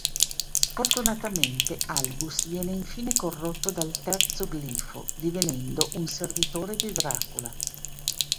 Sfortunatamente, Albus viene infine corrotto dal terzo glifo, divenendo un servitore di Dracula.